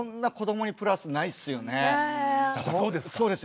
そうですよ。